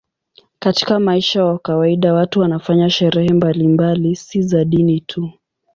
Katika maisha ya kawaida watu wanafanya sherehe mbalimbali, si za dini tu.